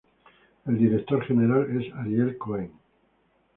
El director general es Ariel Cohen.